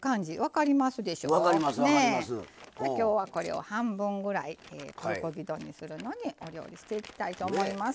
今日はこれを半分ぐらいプルコギ丼にするのにお料理していきたいと思います。